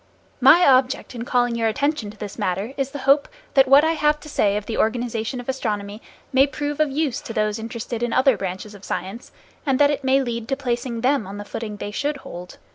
My object in calling your attention to this matter is the hope that what I have to say of the organization of astronomy may prove of use to those interested in other branches of science, and that it may lead to placing them on the footing they should hold.